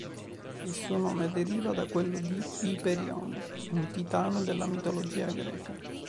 Il suo nome deriva da quello di Iperione, un Titano della mitologia greca.